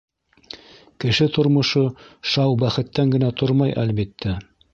Кеше тормошо шау бәхеттән генә тормай, әлбиттә.